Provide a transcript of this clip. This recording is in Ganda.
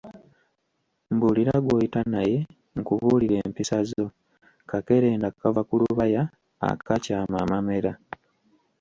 Mbuulira gw’oyita naye nkubuulire empisa zo, kakerenda kava ku lubaya, akaakyama amamera.